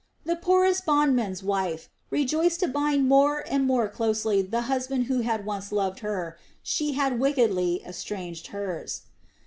The poorest bondman's wife rejoiced to bind more and more closely the husband who had once loved her she had wickedly estranged hers.